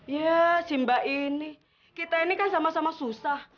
ya simba ini kita ini kan sama sama susah